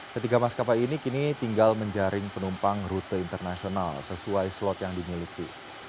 ketiga maskapai ini kini tinggal menjaring penumpang rute internasional sesuai slot yang dimiliki